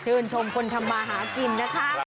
ชมคนทำมาหากินนะคะ